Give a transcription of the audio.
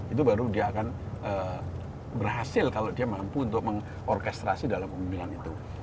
itu baru dia akan berhasil kalau dia mampu untuk mengorkestrasi dalam pemimpinan itu